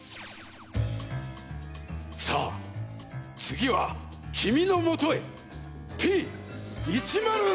さあつぎはきみのもとへＰ１０３！